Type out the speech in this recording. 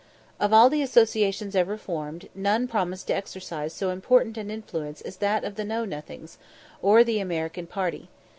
Of all the associations ever formed, none promised to exercise so important an influence as that of the Know nothings, or the American party.